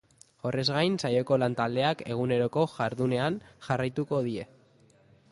Horrez gain, saioko lan-taldeak eguneroko jardunean jarraituko die.